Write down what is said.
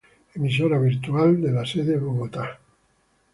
Emisora virtual de la sede Bogotá.